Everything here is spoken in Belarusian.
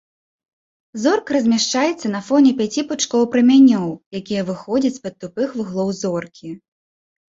Зорка размяшчаецца на фоне пяці пучкоў прамянёў, якія выходзяць з-пад тупых вуглоў зоркі.